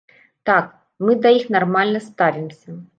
Так, мы да іх нармальна ставімся.